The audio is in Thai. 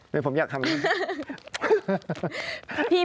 ไม่ผมอยากทำอย่างนี้